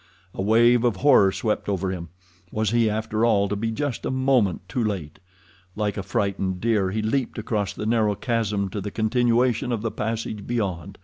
A wave of horror swept over him. Was he, after all, to be just a moment too late? Like a frightened deer he leaped across the narrow chasm to the continuation of the passage beyond.